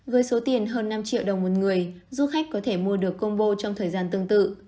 với số tiền hơn năm triệu đồng một người du khách có thể mua được combo trong thời gian tương tự